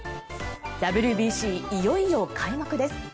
ＷＢＣ、いよいよ開幕です。